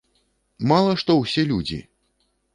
Мала што ўсе людзі!